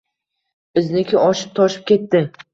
Bizniki oshib-toshib ketdi